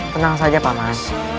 tenang saja paman